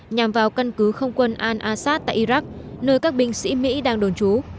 nhằm vào căn cứ không quân al assad tại iraq nơi các binh sĩ mỹ đang đồn trú